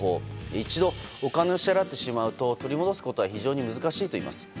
一度お金を支払ってしまうと取り戻すのは難しいといいます。